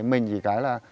mình thì cái là